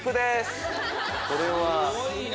これは。